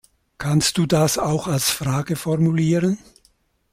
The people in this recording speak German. Kannst du das auch als Frage formulieren?